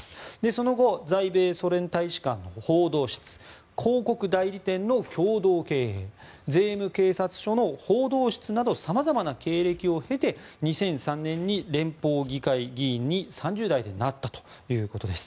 その後、在米ソ連大使館の報道室広告代理店の共同経営税務警察署の報道室などさまざまな経歴を経て２００３年に連邦議会議員に３０代でなったということです。